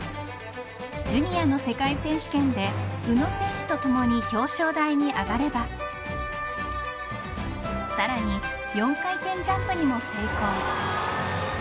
ジュニアの世界選手権で宇野選手とともに表彰台に上がればさらに４回転ジャンプにも成功。